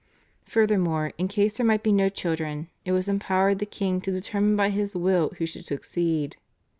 Furthermore, in case there might be no children it empowered the king to determine by his will who should succeed.